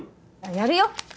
やるよ